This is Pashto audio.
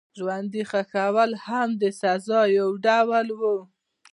ژوندي ښخول هم د سزا یو ډول و.